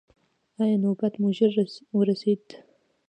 ایا نوبت مو ژر ورسید؟